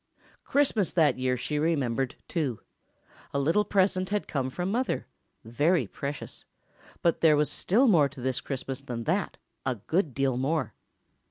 Christmas that year she remembered, too. A little present had come from Mother—very precious—but there was still more to this Christmas than that—a good deal more.